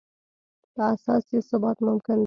په اساس یې ثبات ممکن دی.